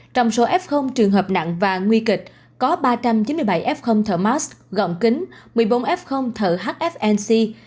trong số f trường hợp nặng và nguy kịch có ba trăm chín mươi bảy f thở mask gọn kính một mươi bốn f thở hfnc